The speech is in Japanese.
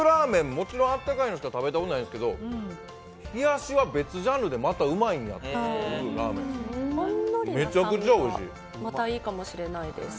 もちろん温かいのしか食べたことないですけど冷やしは別ジャンルでまたうまいんやっていうラーメンです。